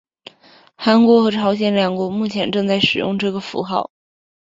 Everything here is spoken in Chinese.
韩国和朝鲜两国目前正在使用这个符号。